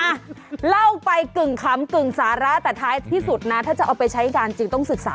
อ่ะเล่าไปกึ่งขำกึ่งสาระแต่ท้ายที่สุดนะถ้าจะเอาไปใช้การจริงต้องศึกษา